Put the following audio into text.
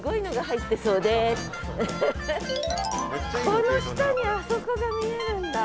この下にあそこが見えるんだ。